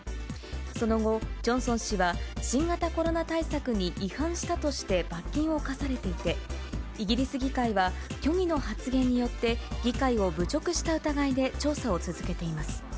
その後、ジョンソン氏は新型コロナ対策に違反したとして、罰金を科されていて、イギリス議会は、虚偽の発言によって議会を侮辱した疑いで調査を続けています。